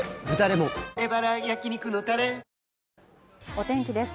お天気です。